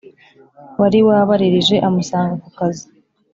wari wabaririje amusanga kukazi